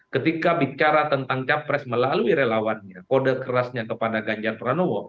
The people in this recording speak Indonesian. ketika bicara tentang capres melalui relawannya kode kerasnya kepada ganjar pranowo